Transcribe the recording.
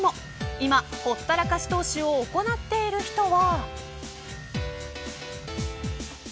今、ほったらかし投資を行っている人は。